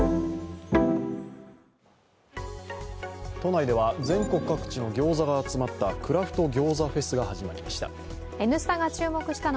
都内では全国各地の餃子が集まった、クラフト餃子フェスが始まりました。